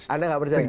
anda gak percaya